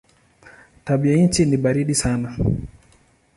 Tabianchi ni baridi sana.